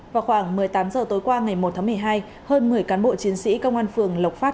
vào khoảng một mươi tám h tối qua ngày một tháng một mươi hai hơn một mươi cán bộ chiến sĩ công an phường lộc phát